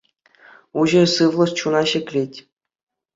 Уҫӑ сывлӑш чуна ҫӗклет.